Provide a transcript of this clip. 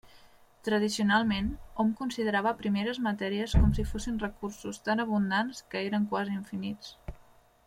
Tradicionalment, hom considerava primeres matèries com si fossin recursos tan abundants que eren quasi infinits.